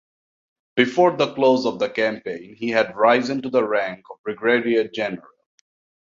Before the close of the campaign he had risen to the rank of brigadier-general.